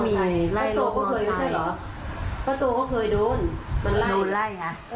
ไม่เหรอเพราะตัวก็เคยโดนโดนไล่